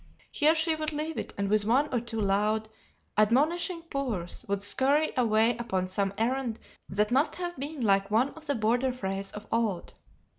Here she would leave it and with one or two loud, admonishing purrs would scurry away upon some errand that must have been like one of the border frays of old.